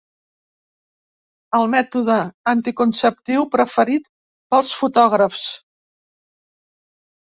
El mètode anticonceptiu preferit pels fotògrafs.